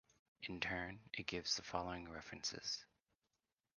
"In turn, it gives the following references:"